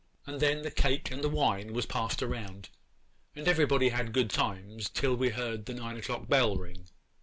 'And then the cake and the wine was passed round, and everybody had good times till we heard the nine o'clock bell ring.